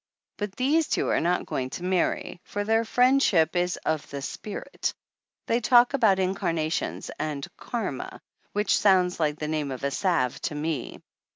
But these two are not going to marry, for their friendship is of the spirit. They talk about incarnations and "Karma," which sounds like the name of a salve to me.